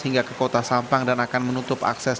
hingga ke kota sampang dan akan menutup akses